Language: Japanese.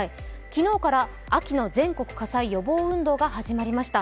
昨日から秋の全国火災予防運動が始まりました。